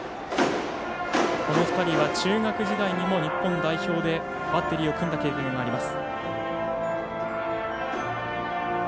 この２人は中学時代にも日本代表でバッテリーを組んだ経験があります。